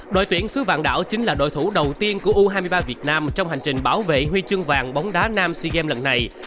đội tuyển sứ vạn đảo chính là đội thủ đầu tiên của u hai mươi ba việt nam trong hành trình bảo vệ huy chương vàng bóng đá nam sea games lần này